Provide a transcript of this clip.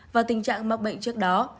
và tình trạng mắc bệnh trước đó